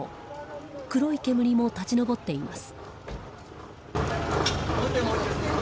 黒い煙も立ち上っています。